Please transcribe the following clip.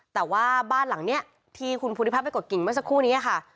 แต่ว่าบ้านหลังนี้ที่คุณภูริพัฒนไปกดกิ่งเมื่อสักครู่นี้ค่ะ